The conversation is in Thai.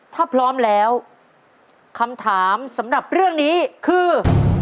ถ้าพร้อมแล้วคำถามสำหรับเรื่องนี้คือ